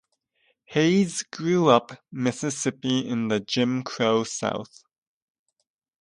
Hayes grew up Mississippi in the Jim Crow south.